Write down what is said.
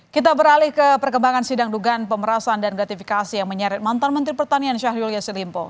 kita beralih ke perkembangan sidang dugaan pemerasan dan gratifikasi yang menyeret mantan menteri pertanian syahrul yassin limpo